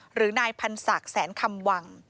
หรือนายพันศักดิ์แสนคำวัง